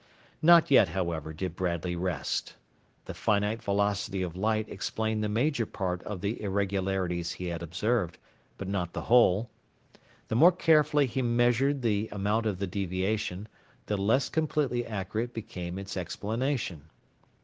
Not yet, however, did Bradley rest. The finite velocity of light explained the major part of the irregularities he had observed, but not the whole. The more carefully he measured the amount of the deviation, the less completely accurate became its explanation.